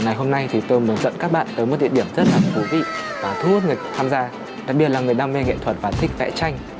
ngày hôm nay thì tôi muốn dận các bạn tới một địa điểm rất là thú vị và thu hút người tham gia đặc biệt là người đam mê nghệ thuật và thích vẽ tranh